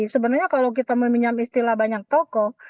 sebenarnya kalau kita meminjam istilah banyak toko